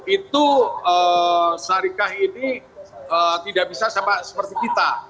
itu syarikat ini tidak bisa sama seperti kita